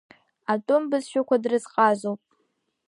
Атәым бызшәақәа дрызҟазоуп…